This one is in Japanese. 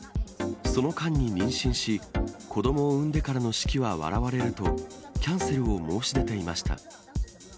その間に妊娠し、子どもを産んでからの式は笑われると、キャンセルを申し出ていました。